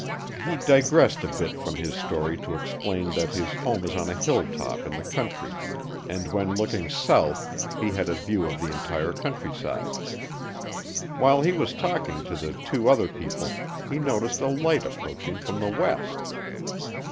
He digressed a bit from his story to explain that his home is on a hilltop in the country, and when looking south, he had a view of the entire countryside. While he was talking to the two other people he noticed a light approaching from the west.